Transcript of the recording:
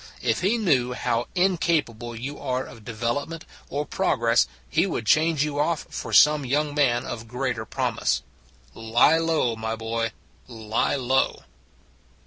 If he knew how incapable you are of development or progress he would change you off for some young man of greater promise. Lie low, my boy, lie low.